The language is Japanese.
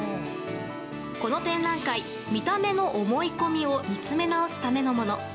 この展覧会、見た目の思い込みを見つめ直すためのもの。